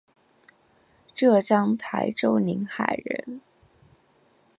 浙江台州临海人。